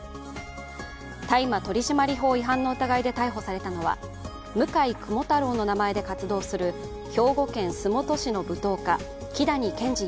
大麻取締法違反の疑いで逮捕されたのは向雲太郎の名前で活動する兵庫県洲本市の舞踏家木谷研治